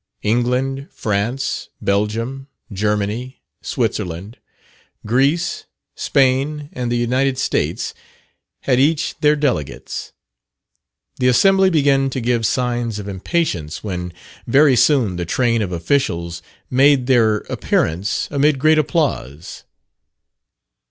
England, France, Belgium, Germany, Switzerland, Greece, Spain, and the United States, had each their delegates. The Assembly began to give signs of impatience, when very soon the train of officials made their appearance amid great applause.